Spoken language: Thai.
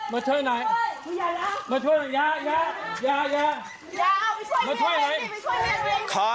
มาช่วยหน่อยมาช่วยหน่อยอย่าอย่าอย่าอย่าอย่าไปช่วยไปช่วย